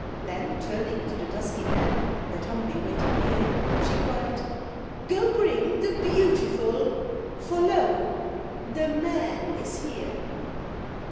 Then turning to the dusky men, that humbly waited near, She cried, "Go bring the BEAUTIFUL for lo! the MAN is here!"